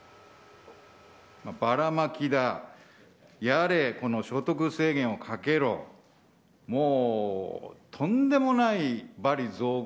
バラマキだ、やれこの所得制限をかけろ、もうとんでもない罵詈雑言。